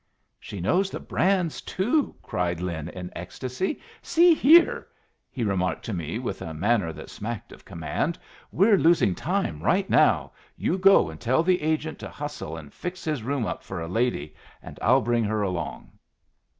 "She knows the brands, too!" cried Lin, in ecstasy. "See here," he remarked to me with a manner that smacked of command, "we're losing time right now. You go and tell the agent to hustle and fix his room up for a lady, and I'll bring her along."